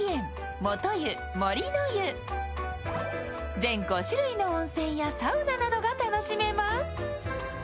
全５種類の温泉やサウナなどが楽しめます。